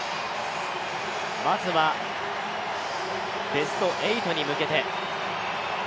まずはベスト８に向けて。